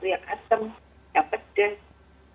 segala sesuatu yang asem yang pedes